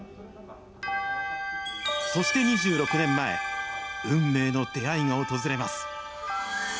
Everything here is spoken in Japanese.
そして２６年前、運命の出会いが訪れます。